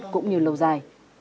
cũng như lâu dài